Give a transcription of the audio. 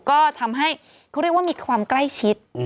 ก็ทำให้เขาเรียกว่ามีความใกล้ชิด